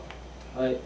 はい。